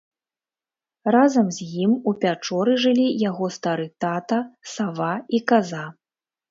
Разам з ім у пячоры жылі яго стары тата, сава і каза.